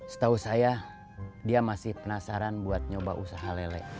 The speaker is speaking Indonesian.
setahu saya dia masih penasaran buat nyoba usaha lele